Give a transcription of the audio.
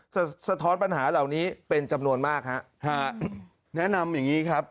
สะท้อนปัญหาเหล่านี้เป็นจำนวนมากฮะฮะแนะนำอย่างงี้ครับ